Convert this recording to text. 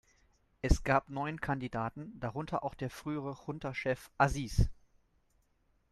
Es gab neun Kandidaten, darunter auch der frühere Junta-Chef Aziz.